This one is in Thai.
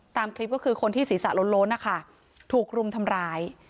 ตามคลิปก็คือคนที่ศีรษะล้นนะคะถูกรุมทำร้าย